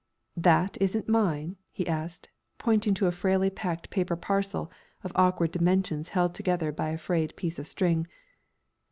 "That isn't mine?" he asked, pointing to a frailly packed paper parcel of awkward dimensions held together by a frayed piece of string.